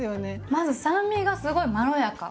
まず酸味がすごいまろやか。